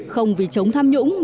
không vì chống tham nhũng